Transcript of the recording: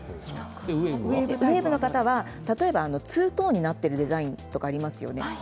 ウエーブの方は、例えばツートーンになっているデザインがありますね。